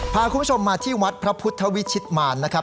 พาคุณผู้ชมมาที่วัดพระพุทธวิชิตมารนะครับ